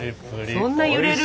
そんな揺れる？